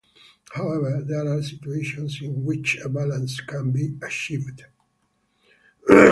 However, there are situations in which a balance can be achieved.